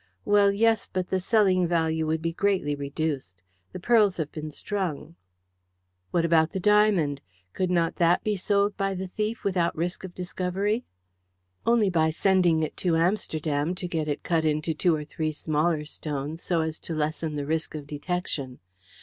Well, yes, but the selling value would be greatly reduced. The pearls have been strung." "What about the diamond? Could not that be sold by the thief without risk of discovery?" "Only by sending it to Amsterdam to get it cut into two or three smaller stones, so as to lessen the risk of detection.